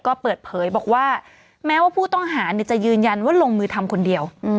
ก็เปิดเผยบอกว่าแม้ว่าผู้ต้องหาจะยืนยันว่าลงมือทำคนเดียว